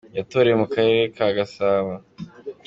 Yatoreye mu karere ka Gasabo mu mujyi wa Kigali.